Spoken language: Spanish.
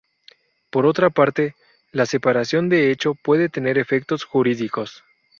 Por otra parte, la separación de hecho puede tener efectos jurídicos.